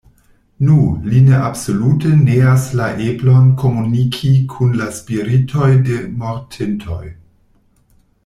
Nu, li ne absolute neas la eblon komuniki kun la spiritoj de mortintoj.